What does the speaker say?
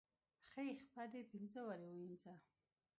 خۍ خپه دې پينزه وارې ووينزه.